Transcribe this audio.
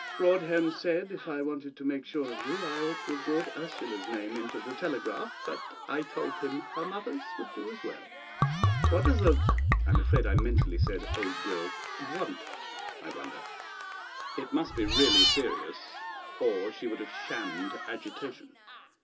"Broadhem said if I wanted to make sure of you I ought to have brought Ursula's name into the telegraph, but I told him her mother's would do as well." "What does the " I am afraid I mentally said 'old girl' "want, I wonder? It must be really serious, or she would have shammed agitation.